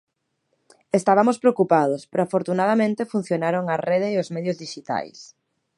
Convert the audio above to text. Estabamos preocupados, pero afortunadamente funcionaron a Rede e os medios dixitais.